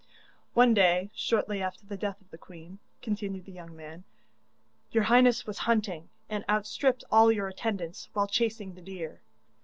'One day, shortly after the death of the queen,' continued the young man, 'your highness was hunting, and outstripped all your attendants while chasing the deer.